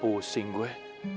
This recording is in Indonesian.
jadi pusing gue